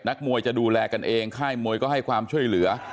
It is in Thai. มวยจะดูแลกันเองค่ายมวยก็ให้ความช่วยเหลือ